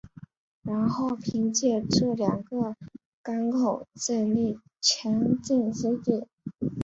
然后凭借这两个港口建立前进基地。